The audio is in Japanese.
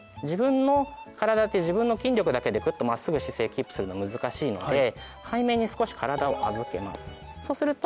自分の体って自分の筋力だけでグッと真っすぐ姿勢キープするの難しいので背面に少し体を預けます。